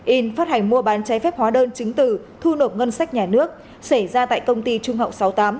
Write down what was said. in phát hành mua bán trái phép hóa đơn chứng từ thu nộp ngân sách nhà nước xảy ra tại công ty trung hậu sáu mươi tám